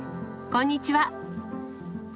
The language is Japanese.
こんにちは。